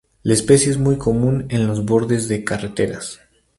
La especie es muy común en los bordes de carreteras.